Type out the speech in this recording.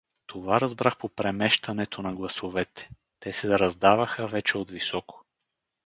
Това разбрах по премещането на гласовете: те се раздаваха вече отвисоко.